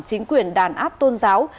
chính quyền đàn áp tôn giáo